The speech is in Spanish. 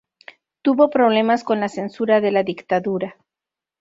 Tuvo problemas con la censura de la dictadura.